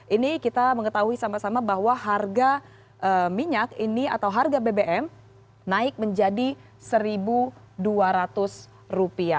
seribu sembilan ratus sembilan puluh satu ini kita mengetahui sama sama bahwa harga minyak ini atau harga bbm naik menjadi rp satu dua ratus